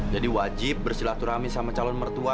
jadi wajib bersilaturahmi sama calon mertua